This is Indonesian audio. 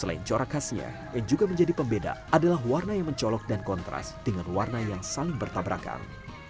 selain corak khasnya yang juga menjadi pembeda adalah warna yang mencolok dan kontras dengan warna yang saling bertabrakan